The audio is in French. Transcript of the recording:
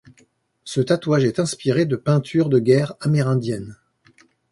Ce tatouage est inspiré de peinture de guerre amérindienne.